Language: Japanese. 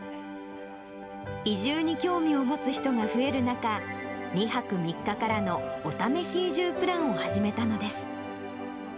移住に興味を持つ人が増える中、２泊３日からのお試し移住プランを始めたのです。